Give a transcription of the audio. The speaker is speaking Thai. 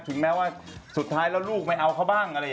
ถึงแม้ว่าสุดท้ายลูกไม่เอาเขาบ้าง